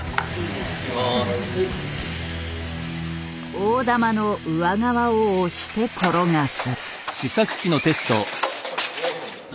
大玉の上側を押して転がす。